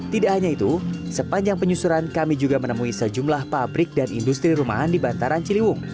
tidak hanya itu sepanjang penyusuran kami juga menemui sejumlah pabrik dan industri rumahan di bantaran ciliwung